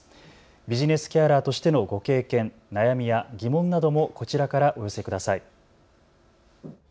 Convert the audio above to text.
ビジネスケアラーとしてのご経験、悩みや疑問などもこちらからお寄せください。